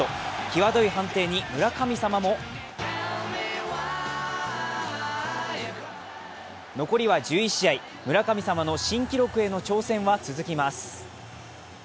際どい判定に村神様も残りは１１試合、村神様の新記録への挑戦は続きます。